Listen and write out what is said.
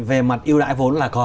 về mặt ưu đãi vốn là có